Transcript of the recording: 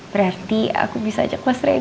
berarti aku bisa jempolnya sama bapak ya